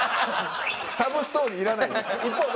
サブストーリーいらないんです。